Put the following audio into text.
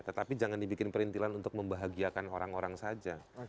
tetapi jangan dibikin perintilan untuk membahagiakan orang orang saja